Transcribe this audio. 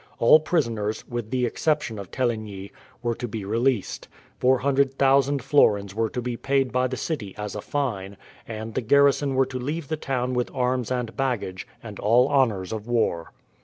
All prisoners, with the exception of Teligny, were to be released. Four hundred thousand florins were to be paid by the city as a fine, and the garrison were to leave the town with arms and baggage, and all honours of war.